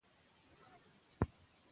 په ګډه هڅه موږ کولی شو خپل هیواد سیال کړو.